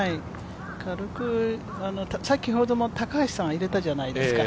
軽く先ほども高橋さんは入れたじゃないですか。